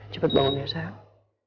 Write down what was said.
cepet bangun ya sayang